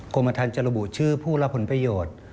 กรมธรรมจะระบุชื่อผู้รับผลประโยชน์